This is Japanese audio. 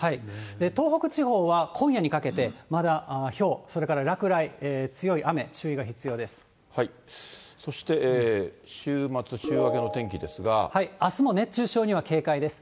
東北地方は今夜にかけて、まだひょう、それから落雷、強い雨、そして週末、週明けの天気であすも熱中症には警戒です。